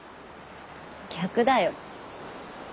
逆だよ。